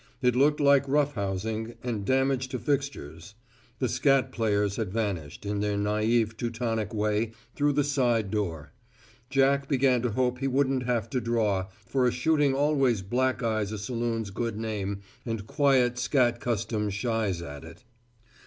It looked like rough housing, and damage to fixtures. The scat players had vanished, in their naïve Teutonic way, through the side door. Jack began to hope he wouldn't have to draw, for a shooting always black eyes a saloon's good name and quiet scat custom shies at it.